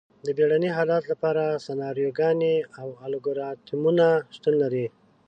د بیړني حالت لپاره سناریوګانې او الګوریتمونه شتون لري.